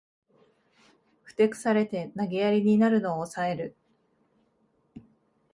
ふてくされて投げやりになるのをおさえる